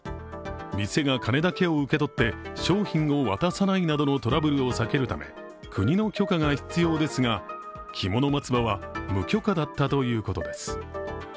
店が金だけを受け取って商品を渡さないなどのトラブルを避けるため国の許可が必要ですが、きもの松葉は無許可だったということです。